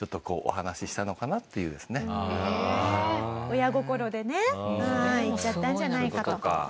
親心でね言っちゃったんじゃないかと。